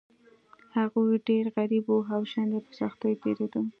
هغوی ډیر غریب وو او ژوند یې په سختیو تیریده.